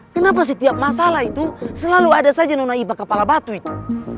kenapa setiap masalah itu selalu ada saja nona iba kepala batu itu